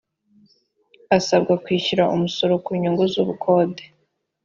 asabwa kwishyura umusoro ku nyungu z’ubukode